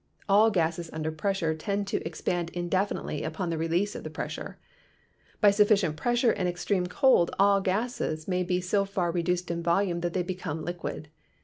All gases under pressure tend to ex pand indefinitely upon the release of the pressure. By sufficient pressure and extreme cold all gases may be so far reduced in volume that they become liquid.